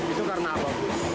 itu karena apa bu